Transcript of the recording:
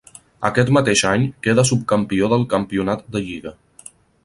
Aquest mateix any queda subcampió del campionat de lliga.